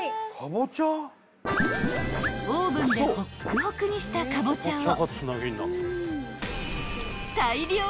［オーブンでホックホクにしたかぼちゃを］